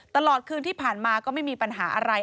ตลอดคืนที่ผ่านมาก็ไม่มีปัญหาอะไร